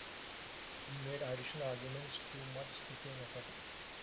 He made additional arguments to much the same effect.